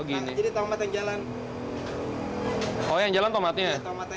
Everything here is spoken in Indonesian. oh gini jadi tomat yang jalan oh yang jalan tomatnya